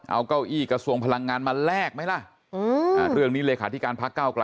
เอาเก้าอี้กระศวงก์พลังงานมาแลกไหมล่ะเงื่อนนี้เลยค่ะพัก